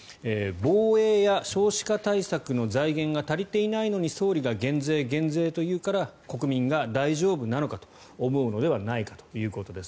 防衛や少子化対策の財源が足りていないのに総理が減税、減税と言うから国民が大丈夫なのかと思うのではないかということです。